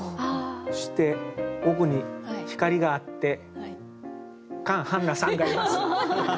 そして奥に光があってカン・ハンナさんがいます。